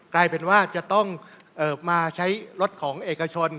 กลายเป็นว่าจะต้องมาใช้รถของเอกชน